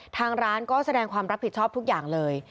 ทางร้านก็แสดงความรับผิดชอบทุกอย่างเลย